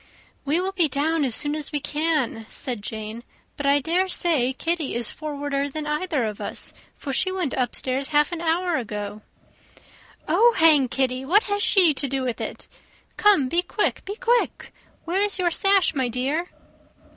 "We will be down as soon as we can," said Jane; "but I dare say Kitty is forwarder than either of us, for she went upstairs half an hour ago." "Oh! hang Kitty! what has she to do with it? Come, be quick, be quick! where is your sash, my dear?"